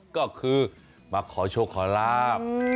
ก็คือมาขอโชคขอลาบ